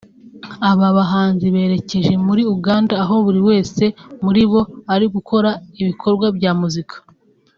Aba bahanzi berekeje muri Uganda aho buri wese muri bo ari gukora ibikorwa bya muzika